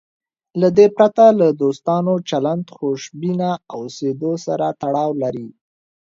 له دې پرته له دوستانه چلند خوشبینه اوسېدو سره تړاو لري.